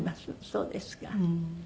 そうですか。